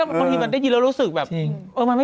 ก็นั่นถูกไหมคะ